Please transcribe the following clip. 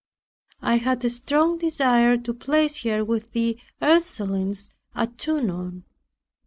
I had a strong desire to place her with the Ursulines at Tonon.